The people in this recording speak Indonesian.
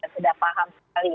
sudah paham sekali